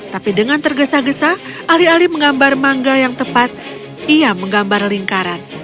tapi dengan tergesa gesa alih alih menggambar mangga yang tepat ia menggambar lingkaran